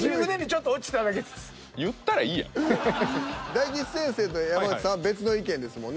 大吉先生と山内さんは別の意見ですもんね。